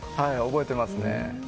覚えてますね。